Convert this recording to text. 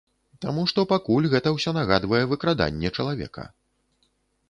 Таму што пакуль гэта ўсё нагадвае выкраданне чалавека.